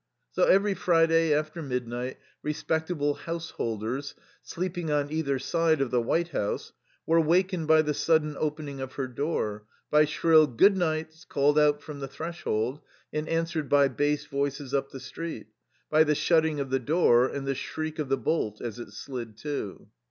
So every Friday, after midnight, respectable householders, sleeping on either side of the White House, were wakened by the sudden opening of her door, by shrill "Good nights" called out from the threshold and answered by bass voices up the street, by the shutting of the door and the shriek of the bolt as it slid to.